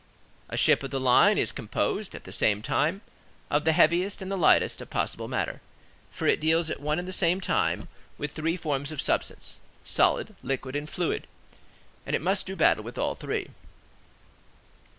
A ship of the line is composed, at the same time, of the heaviest and the lightest of possible matter, for it deals at one and the same time with three forms of substance,—solid, liquid, and fluid,—and it must do battle with all three.